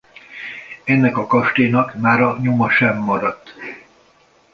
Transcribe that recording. Ennek a kastélynak mára nyoma sem maradt.